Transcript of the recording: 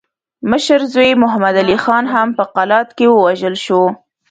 مشر زوی محمد علي خان هم په قلات کې ووژل شو.